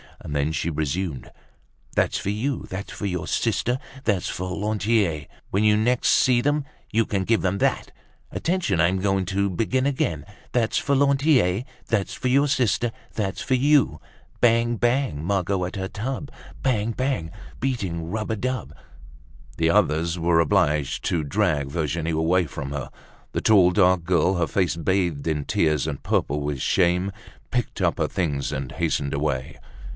And then she resumed, "That's for you, that's for your sister. That's for Lantier. When you next see them, You can give them that. Attention! I'm going to begin again. That's for Lantier, that's for your sister. That's for you. Bang! Bang! Margot at her tub. Bang! Bang! Beating rub a dub—" The others were obliged to drag Virginie away from her. The tall, dark girl, her face bathed in tears and purple with shame, picked up her things and hastened away.